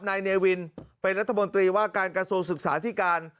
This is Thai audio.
นายเนวินเป็นรัฐมนตรีว่าการกระทรวงศึกษาที่การ